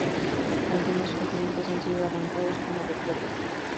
Algunos fragmentos han sido arrancados como recuerdos.